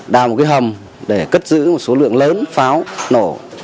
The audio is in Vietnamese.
đào một cái hầm để cất giữ một số lượng lớn pháo nổ